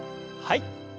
はい。